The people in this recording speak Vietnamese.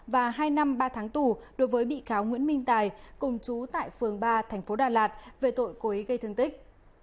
và hai năm ba tháng tù đối với bị cáo nguyễn minh tài cùng chú tại phường ba thành phố đà lạt về tội của ấy gây thương tích